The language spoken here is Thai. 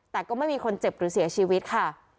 แต่ก็ไม่มีคนเจ็บหรือเสียชีวิตค่ะ